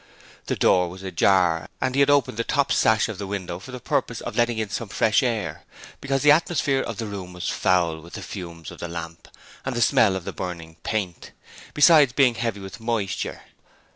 The door was ajar and he had opened the top sash of the window for the purpose of letting in some fresh air, because the atmosphere of the room was foul with the fumes of the lamp and the smell of the burning paint, besides being heavy with moisture.